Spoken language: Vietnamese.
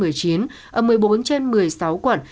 ở một mươi bốn trên một mươi sáu quận